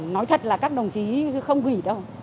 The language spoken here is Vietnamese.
nói thật là các đồng chí không quỷ đâu